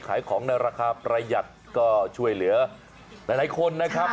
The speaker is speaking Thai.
ขายของในราคาประหยัดก็ช่วยเหลือหลายคนนะครับ